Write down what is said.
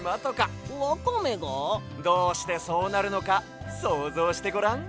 どうしてそうなるのかそうぞうしてごらん！